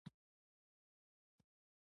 عقلمند انسان د عقلمند ملګری وي.